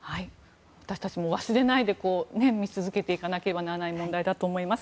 私たちも忘れないで見続けていかなければならない問題だと思います。